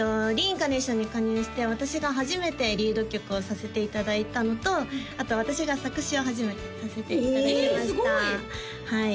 Ｒｅ：ＩＮＣＡＲＮＡＴＩＯＮに加入して私が初めてリード曲をさせていただいたのとあと私が作詞を初めてさせていただきましたえすごい！